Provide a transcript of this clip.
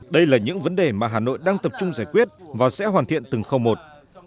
đây là những vấn đề mà hà nội đang tập trung giải quyết và sẽ hoàn thiện từng khâu một